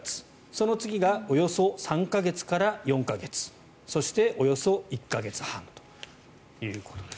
その次がおよそ３か月から４か月そして、およそ１か月半ということです。